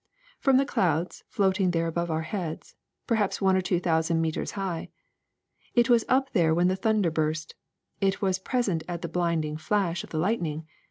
From the clouds floating there above our heads, perhaps one or two thousand meters high. It was up there when the thunder burst ; it was pres ent at the blinding flash of the lightning.